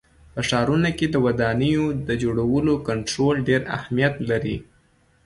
په ښارونو کې د ودانیو د جوړولو کنټرول ډېر اهمیت لري.